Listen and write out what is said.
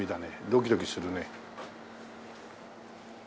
ドキドキするね。